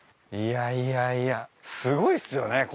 いやいやいやすごいっすよね